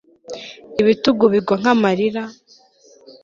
Ibitugu bigwa nkamarira